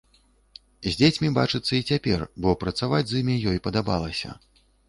З дзецьмі бачыцца і цяпер, бо працаваць з імі ёй падабалася.